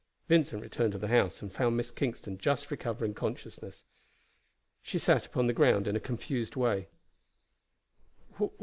Vincent returned to the house, and found Miss Kingston just recovering consciousness. She sat upon the ground in a confused way.